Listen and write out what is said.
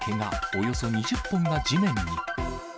およそ２０本が地面に。